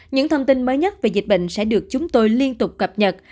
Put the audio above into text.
những thông tin mới nhất về dịch bệnh sẽ được chúng tôi liên tục cập nhật